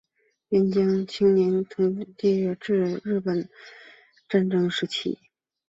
廉江青年抗敌同志会旧址的历史年代为抗日战争时期。